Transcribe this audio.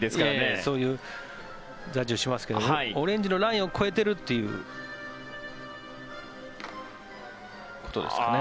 そういうジャッジをしますからオレンジのラインを越えているということですかね。